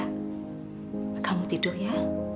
kamu tidur ya